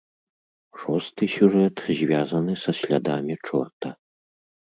Шосты сюжэт звязаны са слядамі чорта.